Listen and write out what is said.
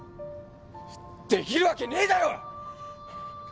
できるわけねえだろ！